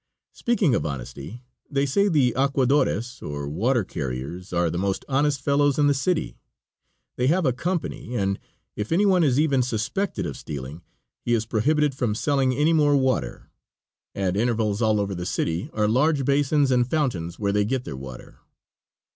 Speaking of honesty they say the aquadores, or water carriers, are the most honest fellows in the city. They have a company, and if any one is even suspected of stealing he is prohibited from selling any more water. At intervals all over the city are large basins and fountains where they get their water.